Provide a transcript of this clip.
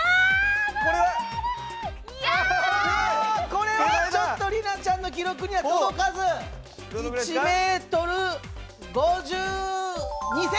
これはちょっと里奈ちゃんの記録には届かず１メートル５２センチ。